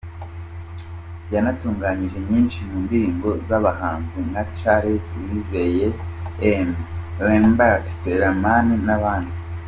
Yanatunganyije nyinshi mu ndirimbo z’abahanzi nka Charles Uwizeye, M-Lambert, Selemani n’abandi.